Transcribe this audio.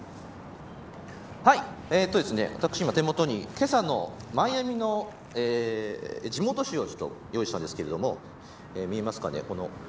私、今、手元にけさのマイアミの地元紙を用意したんですけど見えますかね。